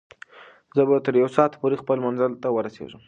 زه به تر یو ساعت پورې خپل منزل ته ورسېږم.